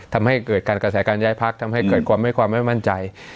ทำให้เกิดการกระแสการย้ายพักทำให้แยกความไม่มั่นใจ